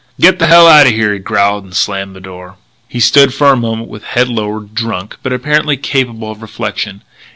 "Get the hell out o' here!" he growled; and slammed the door. He stood for a moment with head lowered, drunk, but apparently capable of reflection.